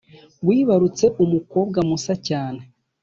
Wibarutse umukobwa musa cyane